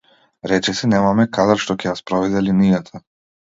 Речиси немаме кадар што ќе ја спроведе линијата.